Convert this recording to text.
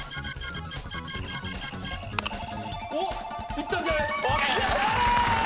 いったんじゃない⁉やった！